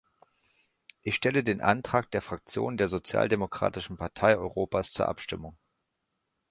Ich stelle den Antrag der Fraktion der Sozialdemokratischen Partei Europas zur Abstimmung.